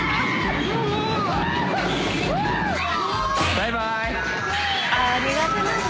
バイバーイ。